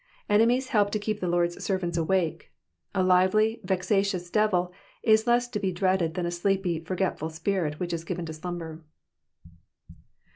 Enemies help to keep the Lord's servants awake. A lively, vexatious devil is less to be dreaded than a sleepy, forgetful spirit which is given to slumber.